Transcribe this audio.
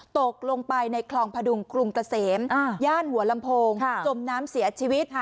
ตกลงไปในคลองพดุงกรุงเกษมย่านหัวลำโพงจมน้ำเสียชีวิต